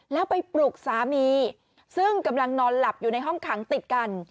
แล้วไปปลุกสามีซึ่งกำลังนอนหลับอยู่ในห้องขังติดกัน